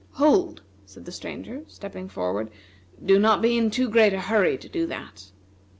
"Hold!" said the Stranger, stepping forward; "do not be in too great a hurry to do that."